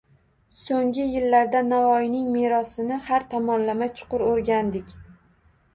Soʻnggi yillarda Navoiyning merosini har tomonlama chuqur oʻrgandik